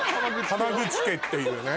浜口家っていうね。